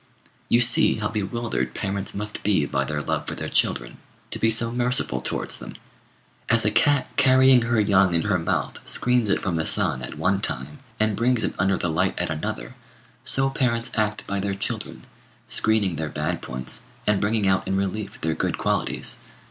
You see how bewildered parents must be by their love for their children, to be so merciful towards them. As a cat carrying her young in her mouth screens it from the sun at one time and brings it under the light at another, so parents act by their children, screening their bad points and bringing out in relief their good qualities.